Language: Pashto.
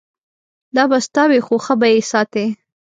دا به ستا وي خو ښه به یې ساتې.